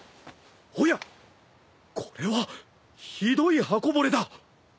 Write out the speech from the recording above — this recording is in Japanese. おやこれはひどい刃こぼれだ！